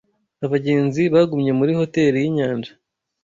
Abagenzi bagumye muri hoteri yinyanja.